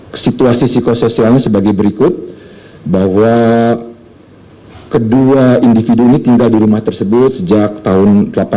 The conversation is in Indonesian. dan situasi psikosoialnya sebagai berikut bahwa kedua individu ini tinggal di rumah tersebut sejak tahun seribu sembilan ratus delapan puluh tujuh